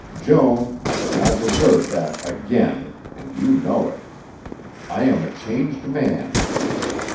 Joan, I did not deserve that 'again' and you know it. I am a changed man.